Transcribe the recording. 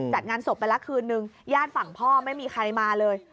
จัดงานศพไปละคืนนึงญาติฝั่งพ่อไม่มีใครมาเลย